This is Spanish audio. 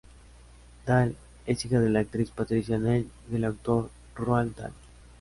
Dahl es hija de la actriz Patricia Neal y del autor Roald Dahl.